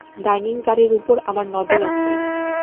Dining কারের উপর আমার নজর আছে।